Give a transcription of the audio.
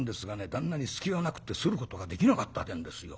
旦那に隙がなくってすることができなかったってえんですよ」。